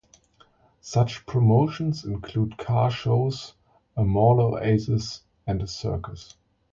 Such promotions include car shows, a mall oasis and a circus.